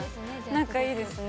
仲いいですね。